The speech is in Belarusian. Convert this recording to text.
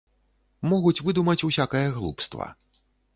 Могуць выдумаць усякае глупства.